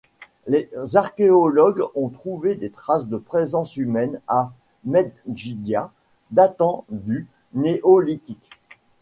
Les archéologues ont trouvé des traces de présence humaine à Medgidia datant du néolithique.